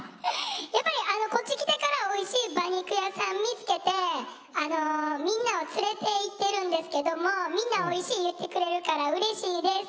やっぱりこっち来てからおいしい馬肉屋さん見つけてみんなを連れて行ってるんですけどもみんな「おいしい」言ってくれるからうれしいです。